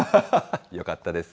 よかったです。